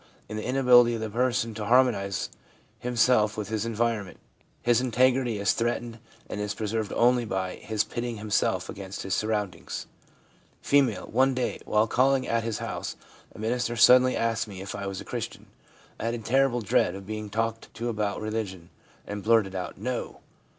In the inability of the' person to harmonise himself with his environment, his integrity is threatened and is preserved only by his pitting himself against his surroundings. F. i One day, while calling at his house, a minister suddenly asked me if I was a Christian. I had a terrible dread of being talked to about religion, and blurted out, " No